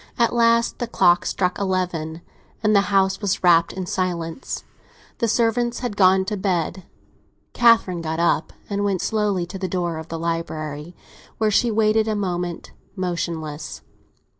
At last the clock struck eleven, and the house was wrapped in silence; the servants had gone to bed. Catherine got up and went slowly to the door of the library, where she waited a moment, motionless.